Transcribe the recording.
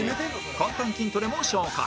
簡単筋トレも紹介